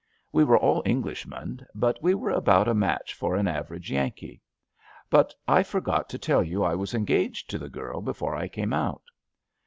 We were all Englishmen, but we were about a match for an average Yankee; but I forgot to tell you I was engaged to the girl before I came out.